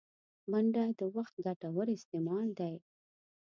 منډه د وخت ګټور استعمال دی